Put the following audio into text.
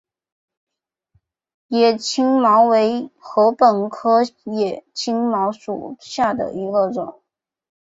野青茅为禾本科野青茅属下的一个种。